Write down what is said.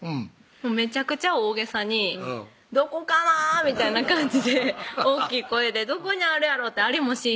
めちゃくちゃ大げさに「どこかな」みたいな感じで大きい声で「どこにあるやろ」ってありもしぃ